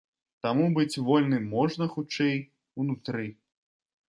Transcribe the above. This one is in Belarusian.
Таму быць вольным можна, хутчэй, унутры.